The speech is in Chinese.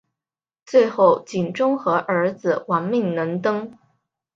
最后景忠和儿子亡命能登。